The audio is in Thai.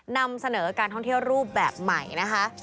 นำเสนอการท่องเที่ยวรูปแบบใหม่นะคะ